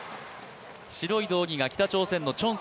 白い道着が北朝鮮のチョン。